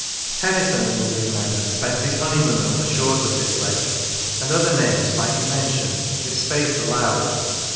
Tennyson, it will be remembered, spent his honey moon on the shores of this lake, and other names might be mentioned, if space allowed.